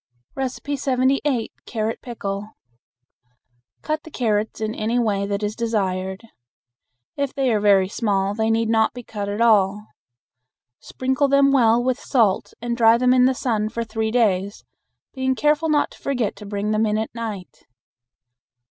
78. Carrot Pickle. Cut the carrots any way that is desired. If they are very small they need not be cut at all. Sprinkle them well with salt and dry them in the sun for three days, being careful not to forget to bring them in at night.